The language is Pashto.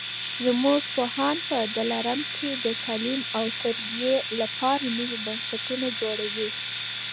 زموږ پوهان په دلارام کي د تعلیم او تربیې لپاره نوي بنسټونه جوړوي